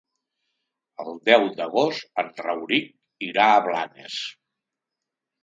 El deu d'agost en Rauric irà a Blanes.